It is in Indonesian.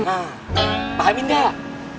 nah pahamin gak